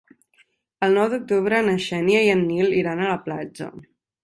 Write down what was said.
El nou d'octubre na Xènia i en Nil iran a la platja.